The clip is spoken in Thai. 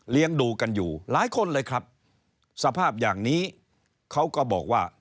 ดูกันอยู่หลายคนเลยครับสภาพอย่างนี้เขาก็บอกว่า